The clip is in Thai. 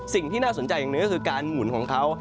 สิ่งที่น่าสนใจอย่างหนึ่งก็คือการหมุนของเขา